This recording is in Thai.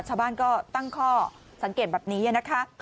ชาวบ้านก็ตั้งข้อสังเกตแบบนี้นะคะ